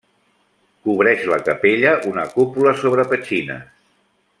Cobreix la capella una cúpula sobre petxines.